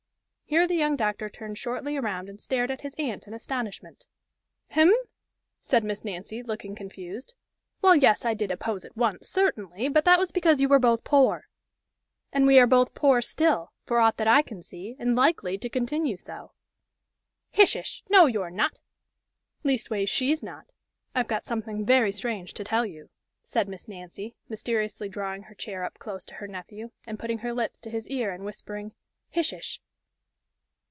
Here the young doctor turned shortly around and stared at his aunt in astonishment! "Hem!" said Miss Nancy, looking confused, "well, yes, I did oppose it once, certainly, but that was because you were both poor." "And we are both poor still, for aught that I can see, and likely to continue so." "Hish ish! no you're not! leastways, she's not. I've got something very strange to tell you," said Miss Nancy, mysteriously drawing her chair up close to her nephew, and putting her lips to his ear, and whispering "Hish ish!"